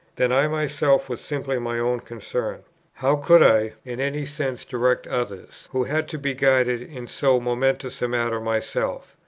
Then I myself was simply my own concern. How could I in any sense direct others, who had to be guided in so momentous a matter myself?